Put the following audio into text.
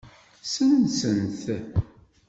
Sensen-t.